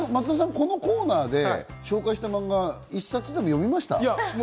松田さん、このコーナーで紹介したマンガ、実際に読みました？